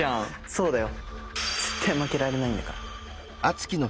そうだよ。